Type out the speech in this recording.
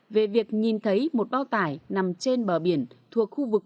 về việc nhìn thấy một bao tải nằm trên bờ biển thuộc khu vực